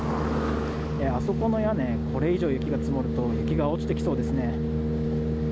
あそこの屋根、これ以上雪が積もると、雪が落ちてきそうですね。